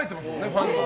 ファンの方。